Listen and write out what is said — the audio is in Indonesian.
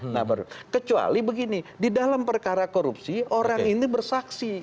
nah kecuali begini di dalam perkara korupsi orang ini bersaksi